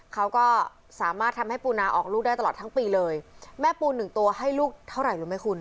เขาก็สามารถทำให้ปูนาออกลูกได้ตลอดทั้งปีเลยแม่ปูหนึ่งตัวให้ลูกเท่าไหร่รู้ไหมคุณ